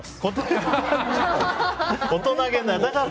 大人げない。